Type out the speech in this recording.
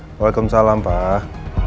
assalamualaikum warahmatullahi wabarakatuh